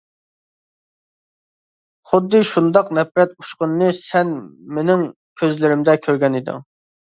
خۇددى شۇنداق نەپرەت ئۇچقۇنىنى سەن مېنىڭ كۆزلىرىمدە كۆرگەن ئىدىڭ.